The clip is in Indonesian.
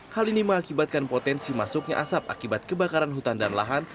hal ini mengakibatkan potensi masuknya asap akibat kebakaran hutan dan lahan